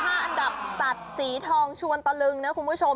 อ่านี่คือ๕อันดับสัตว์สีทองชวนตะลึงนะคุณผู้ชม